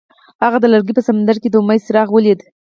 هغه د لرګی په سمندر کې د امید څراغ ولید.